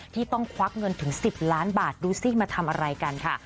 ที่ต้องควักเงินถึง๑๐ล้านบาทดูสิมาทำอะไรกันค่ะ